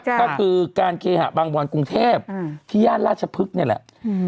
ก็คือการเคหะบางบอนกรุงเทพที่ย่านราชพฤกษ์นี่แหละ